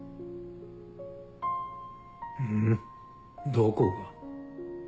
どこが？